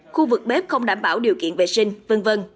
khu vực bếp không đảm bảo điều kiện vệ sinh v v